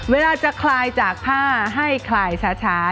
เวลาจะคลายจากผ้าให้คลายช้า